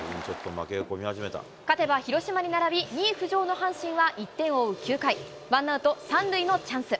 勝てば広島に並び、２位浮上の阪神は、１点を追う９回、ワンアウト３塁のチャンス。